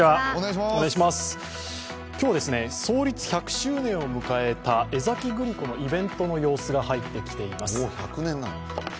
今日、創立１００周年を迎えた江崎グリコのイベントの様子が入ってきています。